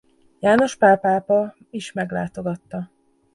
János Pál pápa is meglátogatta.